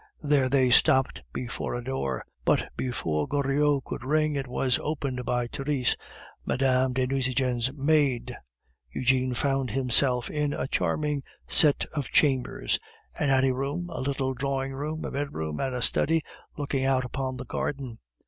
There they stopped before a door; but before Goriot could ring, it was opened by Therese, Mme. de Nucingen's maid. Eugene found himself in a charming set of chambers; an ante room, a little drawing room, a bedroom, and a study, looking out upon a garden.